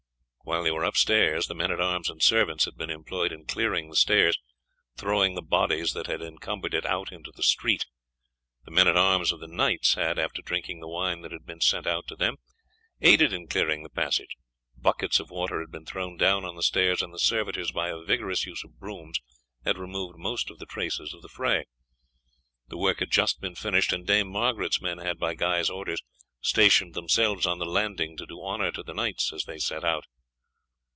While they were upstairs the men at arms and servants had been employed in clearing the stairs, throwing the bodies that had encumbered it out into the street. The men at arms of the knights had, after drinking the wine that had been sent out to them, aided in clearing the passage; buckets of water had been thrown down on the stairs, and the servitors by a vigorous use of brooms had removed most of the traces of the fray. The work had just been finished, and Dame Margaret's men had, by Guy's orders, stationed themselves on the landing to do honour to the knights as they set out.